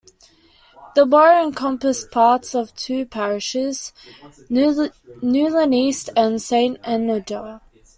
The borough encompassed parts of two parishes, Newlyn East and Saint Enoder.